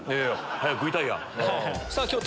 早く食いたいやん。